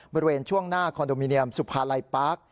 บริเวณช่วงหน้าคอนโดมิเนียมสุภาลัยปาร์ค